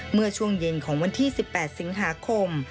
เมื่อช่วงเย็นของวันที่๑๘สิงหาคม